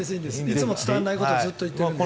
いつも伝わらないことをずっと言っているから。